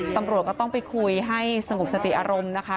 ตำรวจก็ต้องไปคุยให้สงบสติอารมณ์นะคะ